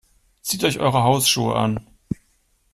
Zieht euch eure Hausschuhe an.